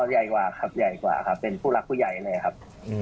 ใหญ่กว่าครับใหญ่กว่าครับเป็นผู้รักผู้ใหญ่เลยครับ